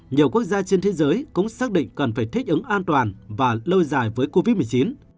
nhiều quốc gia trên thế giới cũng xác định cần phải thích ứng an toàn và lâu dài với covid một mươi chín